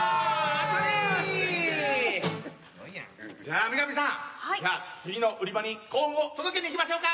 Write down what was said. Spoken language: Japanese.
じゃあ女神さん次の売り場に幸運を届けに行きましょうか。